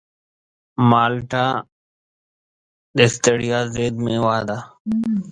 مالټه د ستړیا ضد مېوه ده.